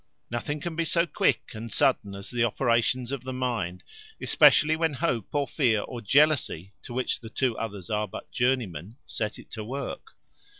Nothing can be so quick and sudden as the operations of the mind, especially when hope, or fear, or jealousy, to which the two others are but journeymen, set it to work.